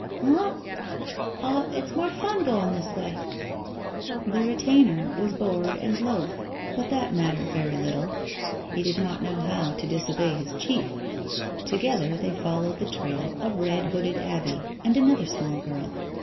"Huh?" "Oh, it's more fun goin' this way." The retainer was bored and loath, but that mattered very little. He did not know how to disobey his chief. Together they followed the trail of red hooded Abbie and another small girl.